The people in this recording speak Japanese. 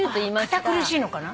堅苦しいのかな？